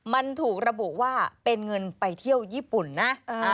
มันถูกระบุว่าเป็นเงินไปเที่ยวญี่ปุ่นนะ